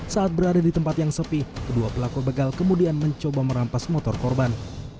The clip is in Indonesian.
saat berada di tempat yang sepi kedua pelaku begal kemudian mencoba merampas motor korban